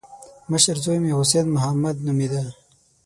مشر زوی مې حسين محمد نومېده.